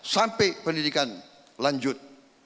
sampai pendidikan lanjut